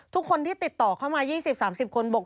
ทุกคนที่ติดต่อเข้ามา๒๐๓๐คนบอก